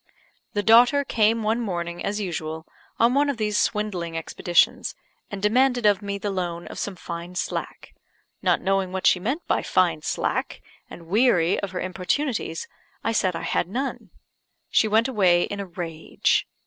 The daughter came one morning, as usual, on one of these swindling expeditions, and demanded of me the loan of some fine slack. Not knowing what she meant by fine slack, and weary of her importunities, I said I had none. She went away in a rage.